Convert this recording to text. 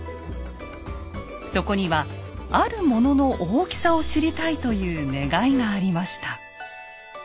そこにはあるものの大きさを知りたいという願いがありました。